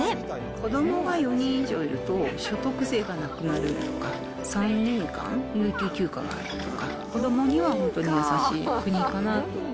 子どもが４人以上いると、所得税がなくなるとか、３年間、有給休暇があるとか、子どもには本当に優しい国かな。